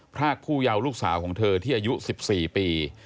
พรากผู้เยาว์ลูกสาวของเธอที่อายุ๑๔ปี